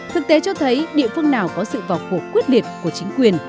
thực tế cho thấy địa phương nào có sự vào cuộc quyết liệt của chính quyền